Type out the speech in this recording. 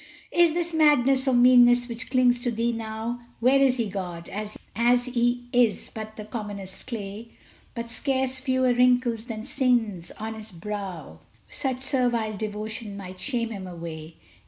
Is it madness or meanness which clings to thee now? Were he God as he is but the commonest clay, With scarce fewer wrinkles than sins on his brow Such servile devotion might shame him away.